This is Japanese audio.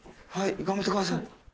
頑張ってください。